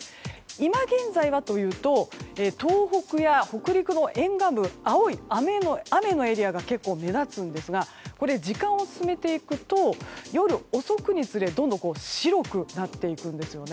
今現在はというと東北や北陸の沿岸部青い雨のエリアが結構、目立つんですが時間を進めていくと夜遅くにつれ、どんどん白くなっていくんですね。